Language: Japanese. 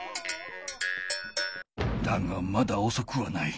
だがまだおそくはない。